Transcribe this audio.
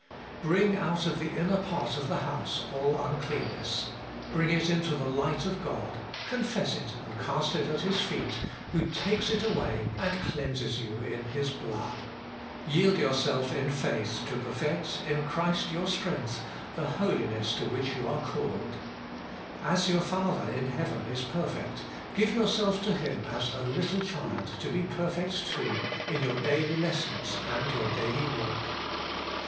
Bring out of the inner part of the house all uncleanness ; bring it into the light of God ; confess it and cast it at His feet, who takes it away, and cleanses you in His blood. Yield yourself in faith to perfect, in Christ your Strength, the Holiness to which you are called. As your Father in heaven is perfect, give yourself to Him as a little child to be perfect too in your daily lessons and your daily walk.